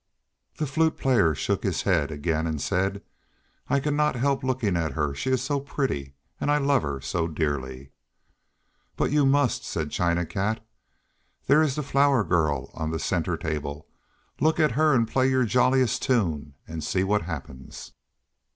The Flute Player shook his head again and said, "I cannot help looking at her, she is so pretty and I love her so dearly." "But you must," said China Cat. "There is the Flower Girl on the center table. Look at her and play your jolliest tune and see what happens."